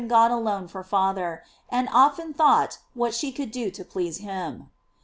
403 father, and often thought what she could do to please him.